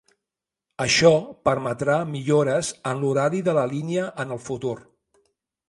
Això permetrà millores en l'horari de la línia en el futur.